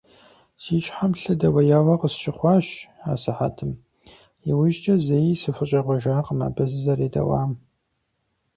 Си щхьэм лъы дэуеяуэ къысщыхъуащ асыхьэтым, иужькӀэ зэи сыхущӀегъуэжакъым абы сызэредэӀуам.